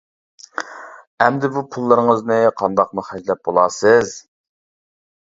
ئەمدى بۇ پۇللىرىڭىزنى قانداقمۇ خەجلەپ بولارسىز.